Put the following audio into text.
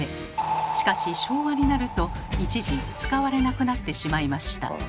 しかし昭和になると一時使われなくなってしまいました。